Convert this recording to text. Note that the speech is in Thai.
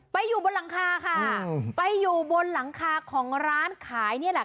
ไปอยู่บนหลังคาค่ะไปอยู่บนหลังคาของร้านขายนี่แหละ